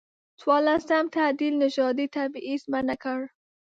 څورلسم تعدیل نژادي تبعیض منع کړ.